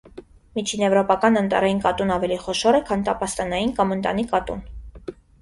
Միջինեվրոպական անտառային կատուն ավելի խոշոր է, քան տափաստանային կամ ընտանի կատուն։